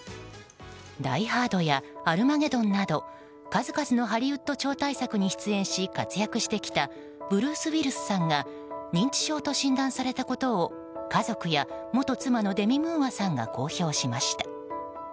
「ダイ・ハード」や「アルマゲドン」など数々のハリウッド超大作に出演し活躍してきたブルース・ウィリスさんが認知症と診断されたことを家族や元妻のデミ・ムーアさんが公表しました。